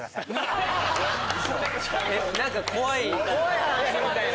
怖い話みたいな。